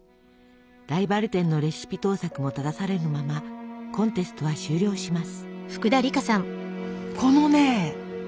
ライバル店のレシピ盗作もただされぬままコンテストは終了します。